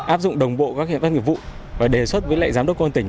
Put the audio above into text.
áp dụng đồng bộ các biện pháp nghiệp vụ và đề xuất với lại giám đốc công an tỉnh